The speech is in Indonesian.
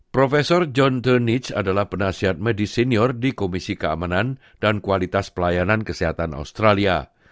prof john the nich adalah penasihat medis senior di komisi keamanan dan kualitas pelayanan kesehatan australia